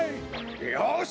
よし！